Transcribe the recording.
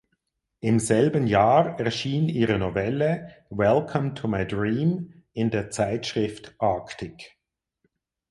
Im selben Jahr erschien ihre Novelle "Welcome to my dream" in der Zeitschrift Arctic.